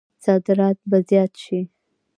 صادرات به زیات شي؟